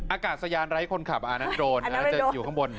อากาศยานไร้คนขับอันนั้นโดนอันนั้นจะอยู่ข้างบน